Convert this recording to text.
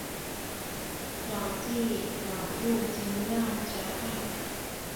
网际网路金钥交换。